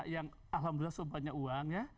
yang alhamdulillah sebanyak uang ya